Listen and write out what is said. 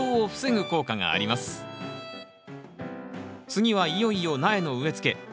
次はいよいよ苗の植えつけ。